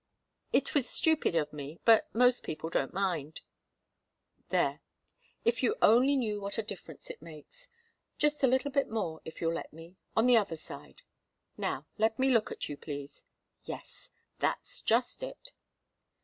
"It was stupid of me, but most people don't mind. There if you only knew what a difference it makes. Just a little bit more, if you'll let me on the other side. Now let me look at you, please yes that's just it."